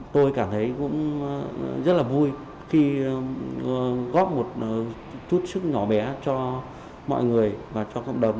tôi cảm thấy cũng rất là vui khi góp một chút sức nhỏ bé cho mọi người và cho cộng đồng